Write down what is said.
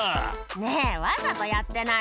「ねぇわざとやってない？」